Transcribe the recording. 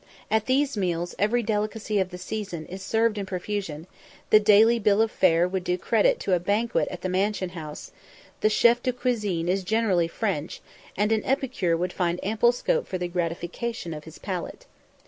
At these meals "every delicacy of the season" is served in profusion; the daily bill of fare would do credit to a banquet at the Mansion House; the chef de cuisine is generally French, and an epicure would find ample scope for the gratification of his palate.